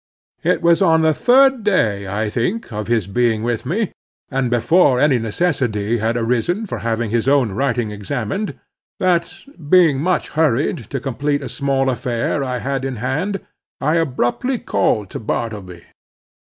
It was on the third day, I think, of his being with me, and before any necessity had arisen for having his own writing examined, that, being much hurried to complete a small affair I had in hand, I abruptly called to Bartleby.